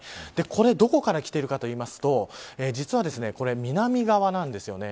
これどこからきているかというと実は、南側なんですよね。